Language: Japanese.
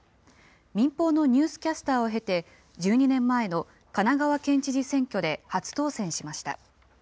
民放のニュースキャスターを経て、１２年前の神奈川県知事選挙で初当選しました。